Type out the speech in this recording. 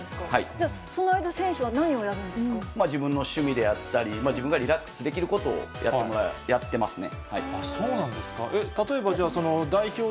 じゃあ、その間、自分の趣味であったり、自分がリラックスできることをやってますね。